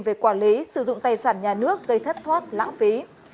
về quản lý sử dụng tài sản nhà nước gây thất thoát lãng phí